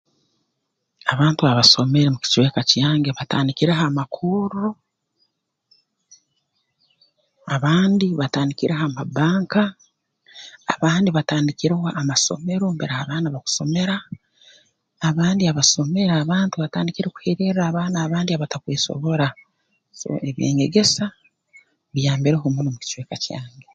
Abantu abasomere mu kicweka kyange batandikireho amakorro abandi batandikireho ama bbanka abandi batandikireho amasomero mbere abaana bakusomera abandi abasomere abantu batandikire kuheererra abaana abandi abatakwesobora so eby'enyegesa biyambireho muno mu kicweka kyange